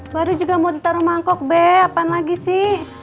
baru juga mau ditaruh mangkok be apaan lagi sih